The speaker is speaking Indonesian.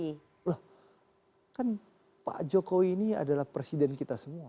loh kan pak jokowi ini adalah presiden kita semua